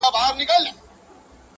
د ایپي د مورچلونو وخت به بیا سي!